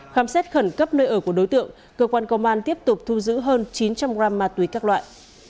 khám xét khẩn cấp nơi ở của đối tượng cơ quan công an tiếp tục thu giữ hơn chín trăm linh gram ma túy các loại